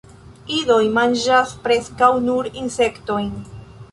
Idoj manĝas preskaŭ nur insektojn.